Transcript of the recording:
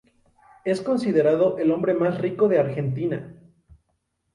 Es considerado el hombre más rico de Argentina.